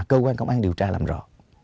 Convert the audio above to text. cơ quan công an điều tra làm rõ